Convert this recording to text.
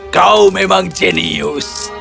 kau memang jenius